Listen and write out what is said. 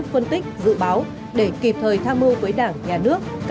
phân tích dự báo để kịp thời tham mưu với đảng nhà nước